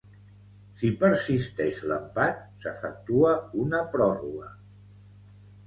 Si persisteix l'empat, s'efectua una pròrroga.